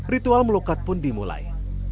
ritual melukat pun dimulai